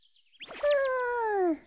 うん！